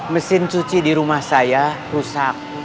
mesin cuci di rumah saya rusak